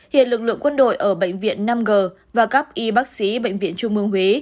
hiện lực lượng quân đội ở bệnh viện năm g và các y bác sĩ bệnh viện trung mương huế